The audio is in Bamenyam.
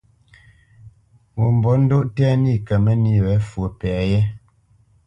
Ŋo mbolə́ndóʼ tɛ́ nî kə mə́nī wě fwo pɛ yé.